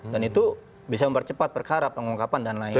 dan itu bisa mempercepat perkara pengungkapan dan lain lain